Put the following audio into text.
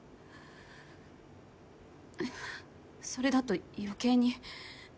あっそれだと余計に。